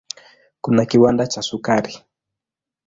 Kuna kiwanda cha sukari.